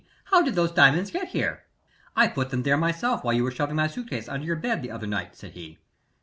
How did those diamonds get there?" "I put them there myself while you were shoving my suit case under your bed the other night," said he.